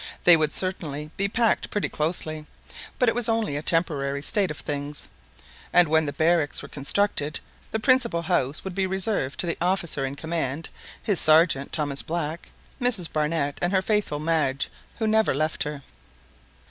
They would certainly be packed pretty closely; but it was only a temporary state of things, and when the barracks were constructed, the principal house would be reserved to the officer in command, his sergeant, Thomas Black, Mrs Barnett, and her faithful Madge, who never left her.